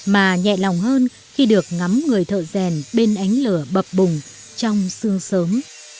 mà nhẹ lòng hơn khi được ngắm người thợ rèn bên ánh lửa bập bùng trong xương sớm